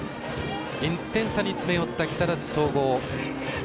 １点差に詰め寄った木更津総合。